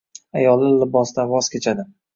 Ayollar libosidan voz kechadi.